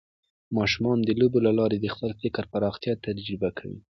ماشومان د لوبو له لارې د خپل فکر پراختیا تجربه کوي.